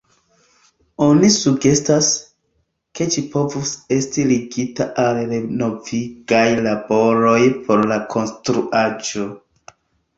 Oni sugestas, ke ĝi povus esti ligita al renovigaj laboroj por la konstruaĵo.